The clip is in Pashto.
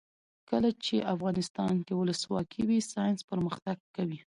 کله چې افغانستان کې ولسواکي وي ساینس پرمختګ کوي.